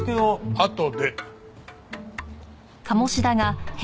あとで。